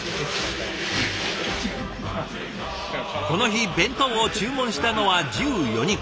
この日弁当を注文したのは１４人。